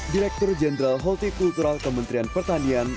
direktur jenderal holti kultural kementerian pertanian